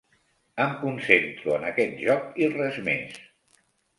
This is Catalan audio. Em concentro en aquest joc i res més.